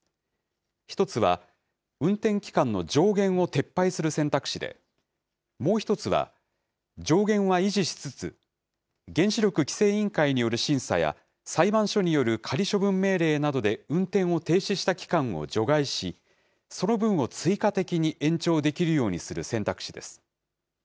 １つは、運転期間の上限を撤廃する選択肢で、もう１つは、上限は維持しつつ、原子力規制委員会による審査や、裁判所による仮処分命令などで運転を停止した期間を除外し、その分を追加的に延長できるようにする選択肢です。